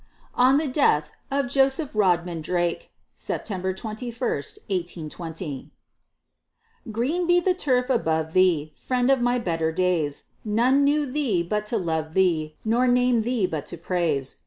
ON THE DEATH OF JOSEPH RODMAN DRAKE [September 21, 1820] Green be the turf above thee, Friend of my better days! None knew thee but to love thee, Nor named thee but to praise.